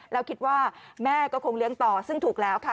แล้วคิดว่าแม่ก็คงเลี้ยงต่อซึ่งถูกแล้วค่ะ